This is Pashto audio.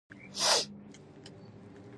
د بازار مطالعه د بری راز دی.